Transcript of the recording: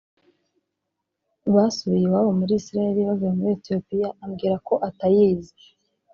basubiye iwabo muri Isiraheli bavuye muri Ethiopia ambwira ko atayizi